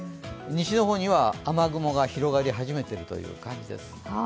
西の方には雨雲が広がり始めている感じです。